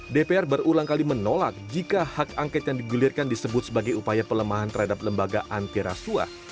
dpr berulang kali menolak jika hak angket yang digulirkan disebut sebagai upaya pelemahan terhadap lembaga antirasuah